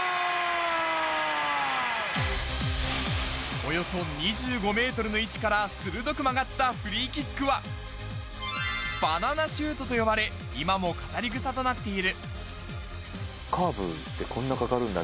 およそ２５ｍの位置から鋭く曲がったフリーキックは、バナナシュートと呼ばれ、今も語り草となっている。